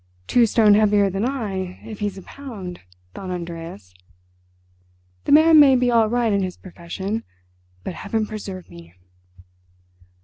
"Two stone heavier than I, if he's a pound," thought Andreas. "The man may be all right in his profession—but heaven preserve me."